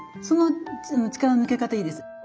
その力の抜け方いいです。